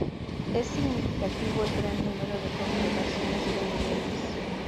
Es significativo el gran número de congregaciones femeninas.